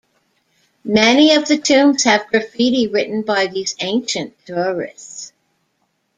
Many of the tombs have graffiti written by these ancient tourists.